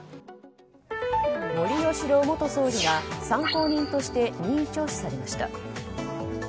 森喜朗元総理が参考人として任意聴取されました。